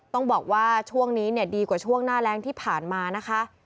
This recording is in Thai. ต้องบอกว่าช่วงนี้เนี่ยดีกว่าช่วงหน้าแรงที่ผ่านมานะคะ